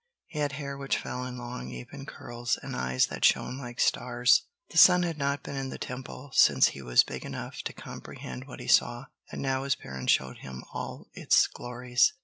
He had hair which fell in long, even curls, and eyes that shone like stars. The son had not been in the Temple since he was big enough to comprehend what he saw; and now his parents showed him all its glories.